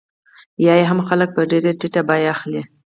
یا یې هم خلک په ډېره ټیټه بیه اخلي